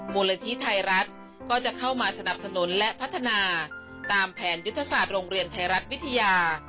มูลนิธิไทยรัฐก็จะเข้ามาสนับสนุนและพัฒนาตามแผนยุทธศาสตร์โรงเรียนไทยรัฐวิทยา